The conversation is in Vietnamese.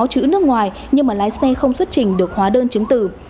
chữ nước ngoài nhưng mà lái xe không xuất trình được hóa đơn chứng tử